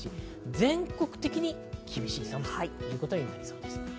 全国的に厳しい寒さとなりそうです。